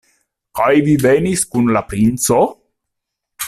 Kaj vi venis kun la princo?